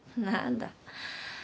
何だ。